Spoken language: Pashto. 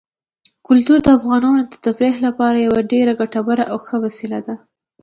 کلتور د افغانانو د تفریح لپاره یوه ډېره ګټوره او ښه وسیله ده.